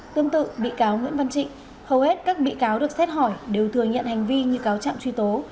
tương tự bị cáo nguyễn văn trịnh hầu hết các bị cáo được xét hỏi đều thừa nhận hành vi như cáo trạng truy tố